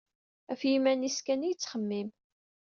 Ɣef yiman-is kan i yettxemmim.